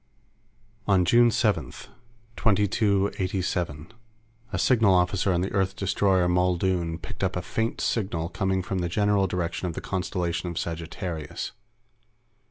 On 7 June 2287, a signal officer on the Earth destroyer Muldoon picked up a faint signal coming from the general direction of the constellation of Sagittarius.